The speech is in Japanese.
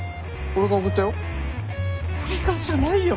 俺がじゃないよ。